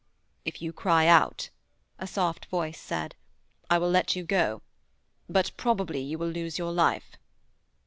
'If you cry out,' a soft voice said, 'I will let you go. But probably you will lose your life.'